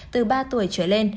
từ ba tuổi trở lên